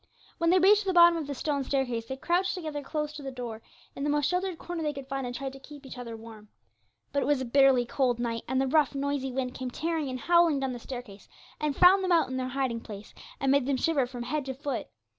When they reached the bottom of the stone staircase they crouched together close to the door, in the most sheltered corner they could find, and tried to keep each other warm. But it was a bitterly cold night, and the rough noisy wind came tearing and howling down the staircase, and found them out in their hiding place, and made them shiver from head to foot.